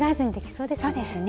そうですね。